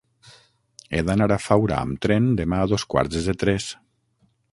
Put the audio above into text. He d'anar a Faura amb tren demà a dos quarts de tres.